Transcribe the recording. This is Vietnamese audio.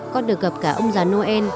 con được gặp cả ông già noel